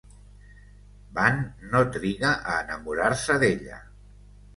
Van no triga a enamorar-se d'ella.